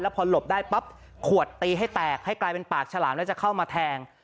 พอหลบได้ปั๊บขวดตีให้แตกให้กลายเป็นปากฉลามแล้วจะเข้ามาแทง